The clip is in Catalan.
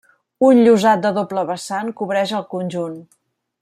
Un llosat de doble vessant cobreix el conjunt.